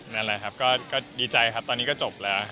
นั่นแหละครับก็ดีใจครับตอนนี้ก็จบแล้ว